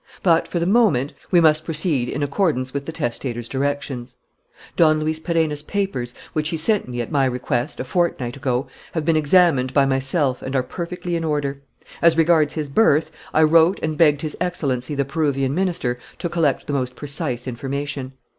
But, for the moment, we must proceed in accordance with the testator's directions. "Don Luis Perenna's papers, which he sent me, at my request, a fortnight ago, have been examined by myself and are perfectly in order. As regards his birth, I wrote and begged his Excellency the Peruvian minister to collect the most precise information."